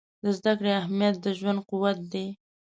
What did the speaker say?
د زده کړې اهمیت د ژوند قوت دی.